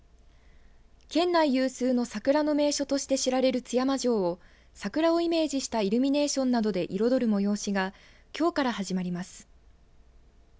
県内有数の桜の名所として知られる津山城を桜をイメージしたイルミネーションなどで彩る催しがきょうから始まります。